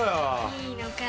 いいのかな。